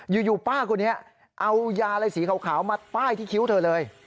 อยู่ป้าคนนี้เอายาอะไรสีขาวมาป้ายที่คิ้วเธอเลย